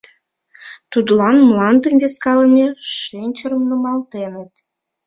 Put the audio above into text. Тудлан мландым вискалыме шинчырым нумалтеныт.